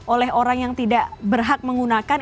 oleh orang yang tidak berhak menggunakan